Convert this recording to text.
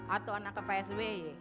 atau anaknya psw